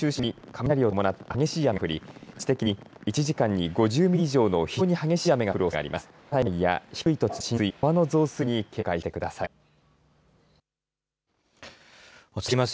雷を伴った激しい雨が降り局地的に１時間に５０ミリ以上の非常に激しい雨が降るおそれがあります。